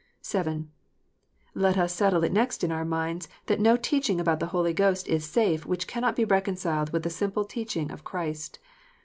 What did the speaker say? (7) Let us settle it next in our minds that no teaching about the Holy Ghost is safe which cannot be reconciled with the simple teaching of Christ.